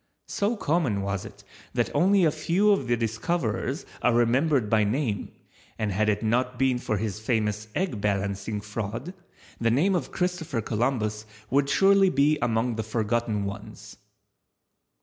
So common was it, that only a few of the discoverers are remembered by name, and had it not been for his famous egg balancing fraud the name of Christopher Columbus would surely be among the forgotten ones.